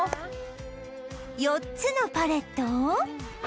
４つのパレットを